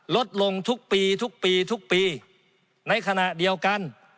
ลดลงทุกปีทุกปีทุกปีในขณะเดียวกัน